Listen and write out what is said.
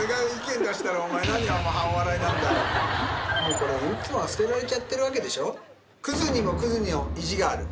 これいつもは捨てられちゃってるわけでしょ。